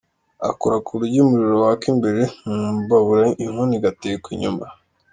Akora ku buryo umuriro waka imbere mu mbabura inkono igatekwa inyuma.